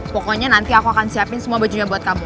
pokoknya nanti aku akan siapin semua bajunya buat kamu